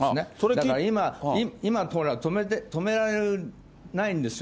だから今、ほら、止められないんですよ。